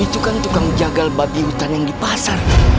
itu kan tukang jagal babi hutan yang di pasar